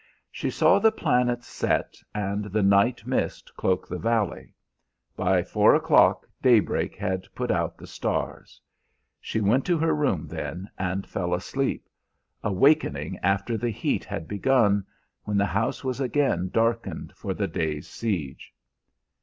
She saw the planets set and the night mist cloak the valley. By four o'clock daybreak had put out the stars. She went to her room then and fell asleep, awakening after the heat had begun, when the house was again darkened for the day's siege.